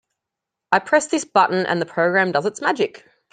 I press this button and the program does its magic.